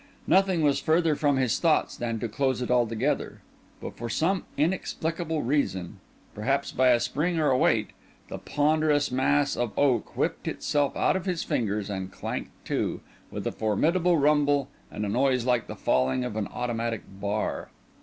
Nothing was further from his thoughts than to close it altogether; but for some inexplicable reason—perhaps by a spring or a weight—the ponderous mass of oak whipped itself out of his fingers and clanked to, with a formidable rumble and a noise like the falling of an automatic bar.